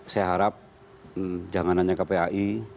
saya harap jangan hanya kpai